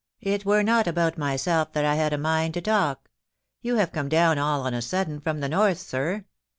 It were not about myself that I had a mind to talk. You have come down all on a sudden from the north, sir.